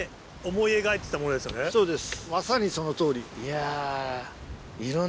そうです。